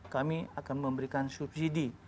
kami akan memberikan subsidi